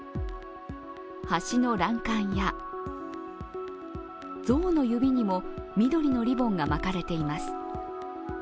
橋の欄干や像の指にも緑のリボンが巻かれています。